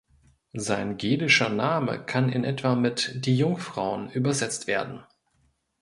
Sein gälischer Name kann in etwa mit "Die Jungfrauen" übersetzt werden.